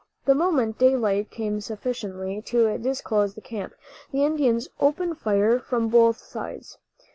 The moment daylight came sufficiently to disclose the camp, the Indians opened fire from both sides.